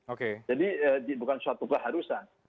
oke jadi bukan suatu keharusan